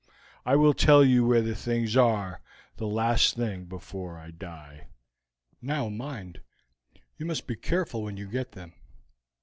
I will tell you where the things are the last thing before I die. "'Now, mind, you must be careful when you get them.